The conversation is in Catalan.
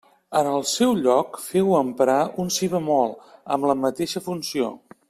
En el seu lloc feu emprar un si bemoll amb la mateixa funció.